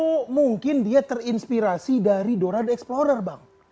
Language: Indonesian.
oh mungkin dia terinspirasi dari dora the explorer bang